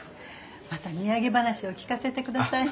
また土産話を聞かせてください。